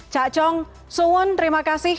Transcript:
cak cong suwun terima kasih